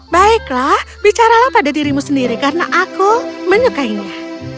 baiklah bicaralah pada dirimu sendiri karena aku menyukainya